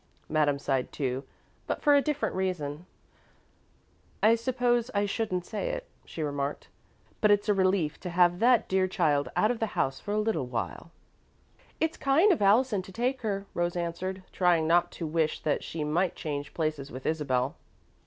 Madame sighed too, but for a different reason. "I suppose I shouldn't say it," she remarked, "but it's a relief to have that dear child out of the house for a little while." "It's kind of Allison to take her," Rose answered, trying not to wish that she might change places with Isabel.